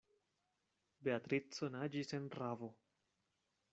Beatrico naĝis en ravo.